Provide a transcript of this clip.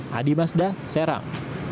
hadi mazda serang